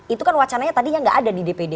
itu kan wacananya tadi yang nggak ada di dpd